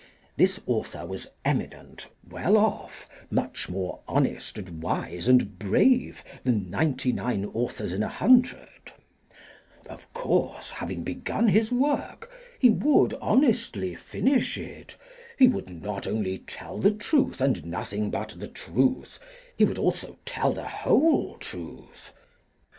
This author was eminent, well off, much more honest and wise and brave than ninety nine authors in a hundred: of course, having begun his work he would honestly finish it, he would not only tell the truth and nothing but the truth, he would also tell the whole truth?